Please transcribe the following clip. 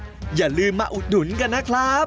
ส่วนผสมจะไม่เข้ากันถือว่าใช้ไม่ได้นะครับ